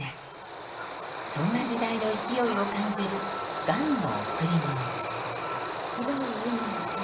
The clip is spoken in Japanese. そんな時代の勢いを感じる「雁のおくりもの」。